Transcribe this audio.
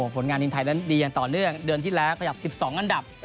ผลงานนินไทยดีอย่างต่อเนื่องเดือนที่แล้วประกาศ๑๒อันดับ